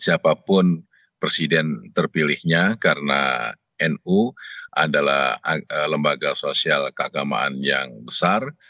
siapapun presiden terpilihnya karena nu adalah lembaga sosial keagamaan yang besar